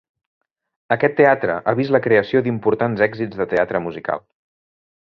Aquest teatre ha vist la creació d'importants èxits de teatre musical.